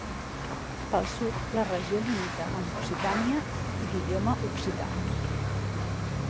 Pel sud, la regió limita amb Occitània i l'idioma occità.